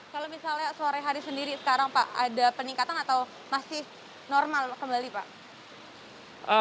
kalau misalnya sore hari sendiri sekarang pak ada peningkatan atau masih normal kembali pak